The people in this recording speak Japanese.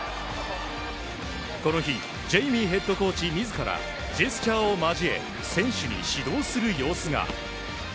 この日ジェイミーヘッドコーチ自らジェスチャーを交え選手に指導する様子が。